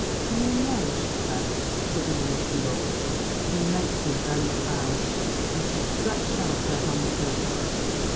"Do you know," she said, suddenly looking up, "you make me very proud," and she stretched out her hand to him.